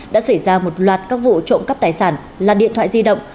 đã xảy ra một loạt các vụ trộm cắp tài sản là điện thoại di động